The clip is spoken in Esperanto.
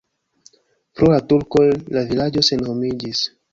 Pro la turkoj la vilaĝo senhomiĝis.